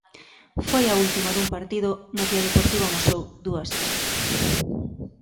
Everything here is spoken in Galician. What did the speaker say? Foi a última dun partido no que o Deportivo amosou dúas caras.